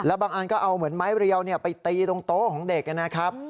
บางอันก็เอาเหมือนไม้เรียวไปตีตรงโต๊ะของเด็กนะครับ